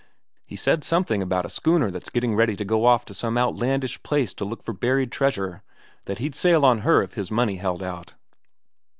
"He said something about a schooner that's gettin' ready to go off to some outlandish place to look for buried treasure, that he'd sail on her if his money held out."